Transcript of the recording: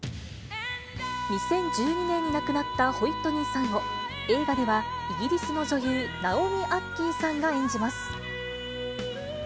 ２０１２年に亡くなったホイットニーさんを、映画では、イギリスの女優、ナオミ・アッキーさんが演じます。